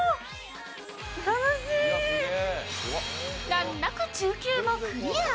難なく中級もクリア。